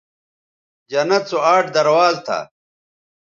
جنت سو آٹھ درواز تھا